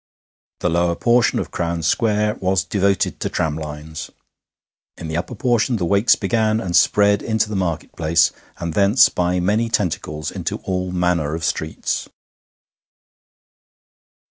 The lower portion of Crown Square was devoted to tramlines; in the upper portion the Wakes began, and spread into the market place, and thence by many tentacles into all manner of streets.